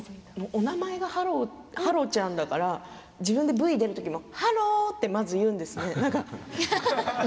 お名前が芭路ちゃんだから自分でＶに出る時にハロー！って言うんですね。